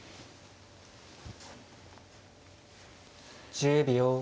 １０秒。